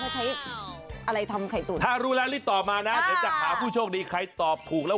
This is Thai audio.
สวยเข้าไปกายแบบพื้นบ้านเอาดินสวมห่อมโภกหน้า